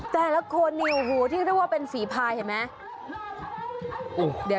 แต่ละคนเหนียวหูที่เรียกว่าเป็นฝีภายเห็นมั้ย